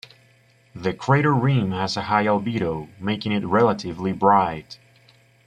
The crater rim has a high albedo, making it relatively bright.